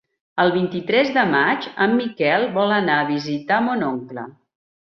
El vint-i-tres de maig en Miquel vol anar a visitar mon oncle.